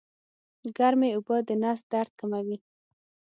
ګرمې اوبه د نس درد کموي